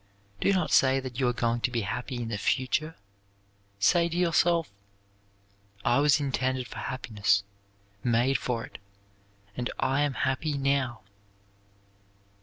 Do not say that you are going to be happy in the future. Say to yourself, "I was intended for happiness, made for it, and I am happy now."